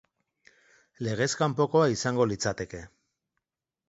Legez kanpokoa izango litzateke.